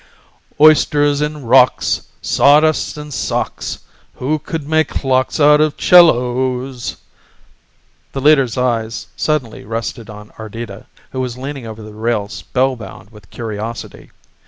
"Oysters and Rocks, Sawdust and socks, Who could make clocks Out of cellos? " The leader's eyes suddenly rested on Ardita, who was leaning over the rail spellbound with curiosity.